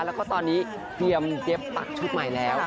แล้วก็ตอนนี้เตรียมเย็บตักชุดใหม่แล้ว